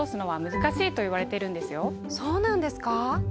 そうなんですか？